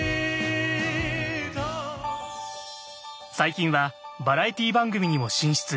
最近はバラエティー番組にも進出。